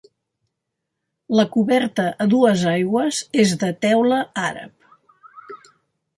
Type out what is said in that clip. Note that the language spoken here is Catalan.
La coberta a dues aigües, és de teula àrab.